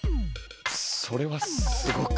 それはすごく。